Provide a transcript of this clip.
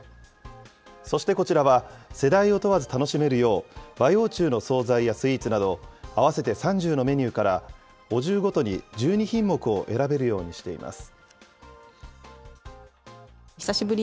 そしてこちらは、世代を問わず楽しめるよう、和洋中の総菜やスイーツなど合わせて３０のメニューから、お重ごとに１２品目を選べるようにしています。